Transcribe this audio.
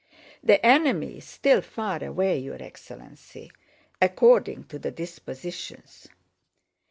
"The enemy is still far away, your excellency. According to the dispositions..."